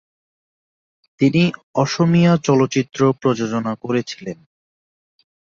তিনি অসমীয়া চলচ্চিত্র প্রযোজনা করেছিলেন।